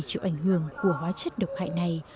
chịu ảnh hưởng của hóa chất độc hại này